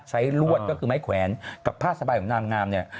ลวดก็คือไม้แขวนกับผ้าสบายของนางงามเนี่ย